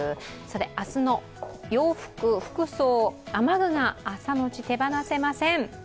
明日の洋服、服装、雨具が朝のうち手放せません。